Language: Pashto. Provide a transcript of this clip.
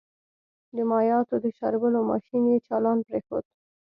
د مايعاتو د شاربلو ماشين يې چالان پرېښود.